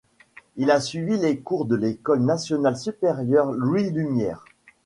Il a suivi les cours de l'École nationale supérieure Louis-Lumière.